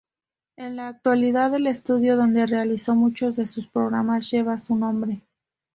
En la actualidad, el estudio donde realizó muchos de sus programas lleva su nombre.